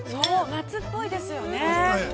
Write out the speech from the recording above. ◆夏っぽいですよね。